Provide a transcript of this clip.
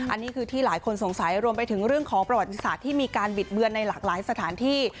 อันนี้คือที่หลายคนสงสัยรวมไปถึงเรื่องของประวัติศาสตร์ที่มีการบิดเบือนในหลากหลายสถานที่